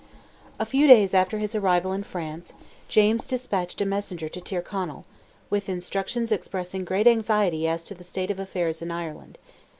A few days after his arrival in France, James despatched a messenger to Tyrconnell, with instructions expressing great anxiety as to the state of affairs in Ireland.